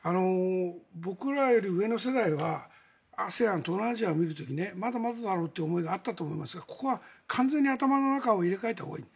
僕らより上の世代はＡＳＥＡＮ、東南アジアを見る時まだまだだろうという思いがあったと思いますがここは完全に頭の中を入れ替えたほうがいい。